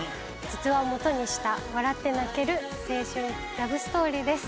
実話を基にした笑って泣ける青春ラブストーリーです。